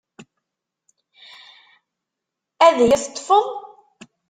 Ad iyi-teṭṭefeḍ?